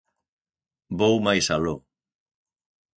Vou mais aló.